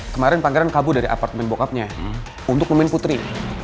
kemarin pangeran kabur dari apartemen bokapnya untuk memin putri